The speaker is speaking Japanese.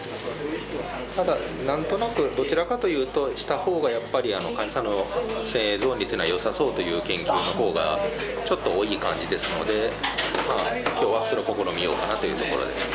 ただなんとなくどちらかというとしたほうがやっぱり患者さんの生存率にはよさそうという研究のほうがちょっと多い感じですので今日はそれを試みようかなというところですね。